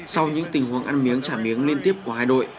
sau những tình huống ăn miếng trả miếng liên tiếp của hai đội